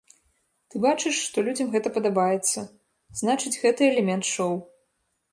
Ты бачыш, што людзям гэта падабаецца, значыць, гэта элемент шоу.